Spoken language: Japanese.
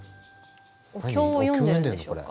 お経を読んでいるのでしょうか。